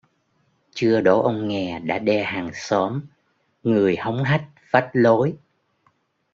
Chưa đỗ ông nghè đã đe hàng xóm: người hống hách, phách lối